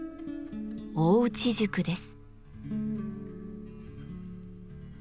大内宿です。